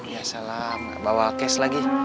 ya salah nggak bawa cash lagi